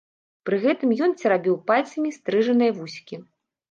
Пры гэтым ён церабіў пальцамі стрыжаныя вусікі.